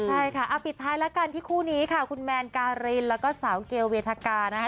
ใช่ค่ะปิดท้ายแล้วกันที่คู่นี้ค่ะคุณแมนการินแล้วก็สาวเกลเวทกานะคะ